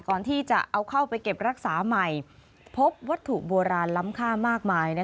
ก่อนที่จะเอาเข้าไปเก็บรักษาใหม่พบวัตถุโบราณล้ำค่ามากมาย